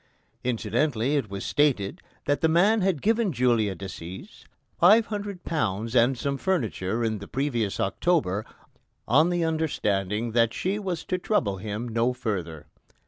Incidentally it was stated that the man had given Julia Decies £500 and some furniture in the previous October on the understanding that she was to trouble him no further.